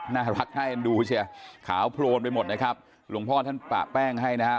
น่ารักน่าเอ็นดูเชียขาวโพลนไปหมดนะครับหลวงพ่อท่านปะแป้งให้นะฮะ